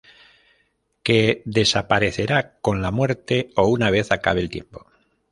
Que desaparecerá con la muerte o una vez acabe el tiempo.